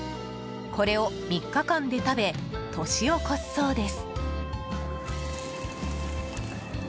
これを３日間で食べ年を越すそうです。